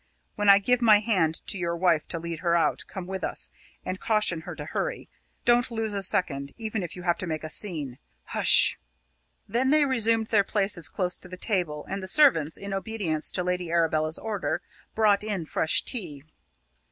When I give my hand to your wife to lead her out, come with us and caution her to hurry. Don't lose a second, even if you have to make a scene. Hs s s h!" Then they resumed their places close to the table, and the servants, in obedience to Lady Arabella's order, brought in fresh tea.